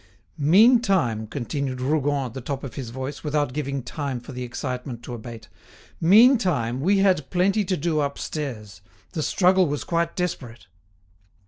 "Meantime," continued Rougon at the top of his voice, without giving time for the excitement to abate; "meantime we had plenty to do upstairs. The struggle was quite desperate."